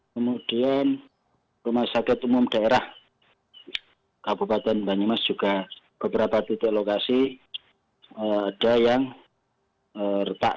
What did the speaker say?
kemudian rumah sakit umum daerah kabupaten banyumas juga beberapa titik lokasi ada yang retak